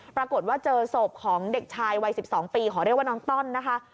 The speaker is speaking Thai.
ปรากฏว่าเจอศพของเด็กชายวัย๑๒ปีขอเรียกว่าน้องต้อนนะคะ